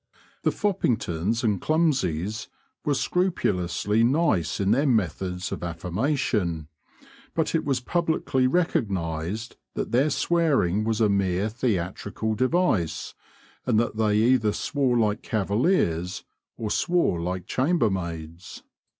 The Foppingtons and Clumsys were scrupulously nice in their methods of affirmation, but it was publicly recognised that their swearing was a mere theatrical device, and that they either swore like cavaliers or swore like chambermaids.